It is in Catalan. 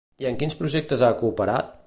I en quins projectes ha cooperat?